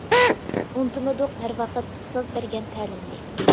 ئۇنتۇمىدۇق ھەر ۋاقىت، ئۇستاز بەرگەن تەلىمنى.